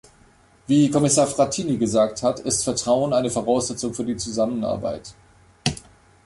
Wie Kommissar Frattini gesagt hat, ist Vertrauen eine Voraussetzung für die Zusammenarbeit.